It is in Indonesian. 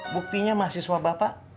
buktinya mahasiswa bapak